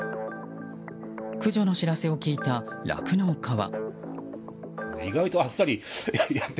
駆除の知らせを聞いた酪農家は。